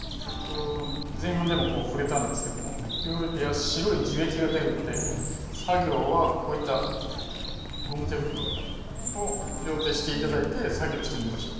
前半でも触れたんですけどもユーフォルビア白い樹液が出るので作業はこういったゴム手袋を両手して頂いて作業してみましょう。